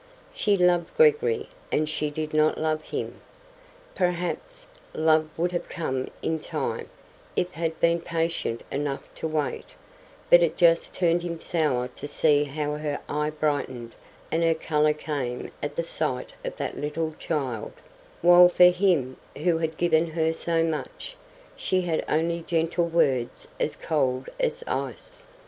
She loved Gregory, and she did not love him. Perhaps, love would have come in time, if he had been patient enough to wait; but it just turned him sour to see how her eye brightened and her colour came at the sight of that little child, while for him who had given her so much, she had only gentle words as cold as ice.